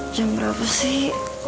jam berapa sih